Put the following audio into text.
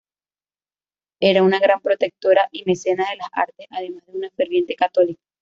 Era una gran protectora y mecenas de las artes, además de una ferviente católica.